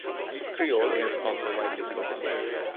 Kriol is also widely spoken.